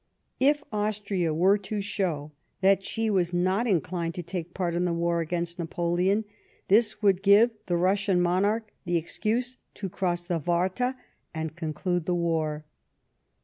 If Austria Avere to show that she was not inclined to take part in the war against Napoleon, tliis would give tho Russian monarch the excuse to cross the Warta, and conclude the wur."